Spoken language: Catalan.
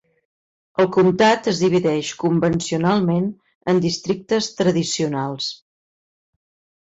El comtat es divideix convencionalment en districtes tradicionals.